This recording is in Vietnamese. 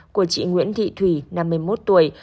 của chị nguyễn thị thủy năm mươi một tuổi